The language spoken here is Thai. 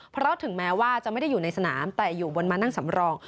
เพราะถึงแม้ว่าจะไม่ได้อยู่ในสนามแต่อยู่บนมานั่งสำรอง